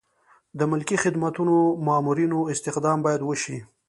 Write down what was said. د ملکي خدمتونو د مامورینو استخدام باید وشي.